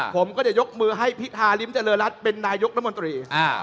ผมก็จะยกมือให้พิธาริมเจริญรัฐเป็นนายกรัฐมนตรี